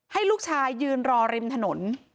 ให้ลูกชายยืนรอริมถนน